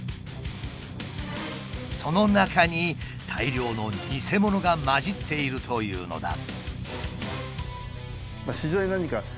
その中に大量のニセモノが交じっているというのだ。